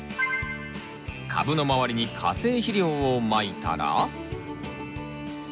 株の周りに化成肥料をまいたら。